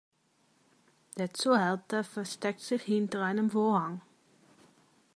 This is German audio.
Der Zuhälter versteckt sich hinter einem Vorhang.